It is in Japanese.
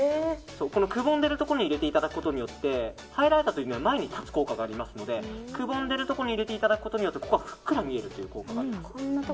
くぼんでいるところに入れていただくことによってハイライトは前に立つ効果がありますのでくぼんでるところに入れていただくことによってここがふっくら見えるという効果があります。